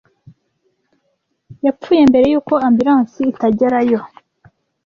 yapfuye mbere yuko ambilansi itagerayo.